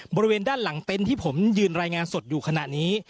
บริเวณด้านหลังเต็นต์ที่ผมยืนรายงานสดอยู่ขณะนี้